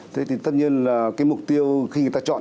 tất nhiên là mục tiêu khi người ta chọn